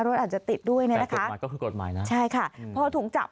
รถอาจจะติดด้วยนี่นะคะใช่ค่ะพอถูกจับ